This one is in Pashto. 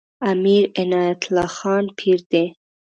امیر عنایت الله خان پیر دی.